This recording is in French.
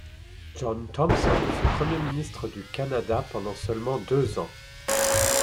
John Thompson fut Premier ministre du Canada pendant seulement deux ans.